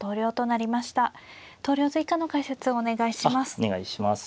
あっお願いします。